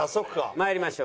まいりましょう。